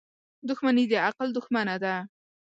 • دښمني د عقل دښمنه ده.